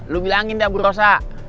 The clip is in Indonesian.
lu bilangin dah bu rosa